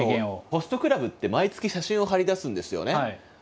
ホストクラブって毎月写真を貼り出すんですよね。